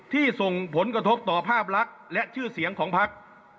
ส่งผลกระทบต่อภาพลักษณ์และชื่อเสียงของพัก